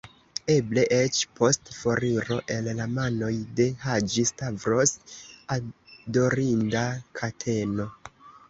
Eble eĉ, post foriro el la manoj de Haĝi-Stavros, adorinda kateno!